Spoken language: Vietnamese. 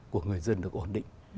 của người dân được ổn định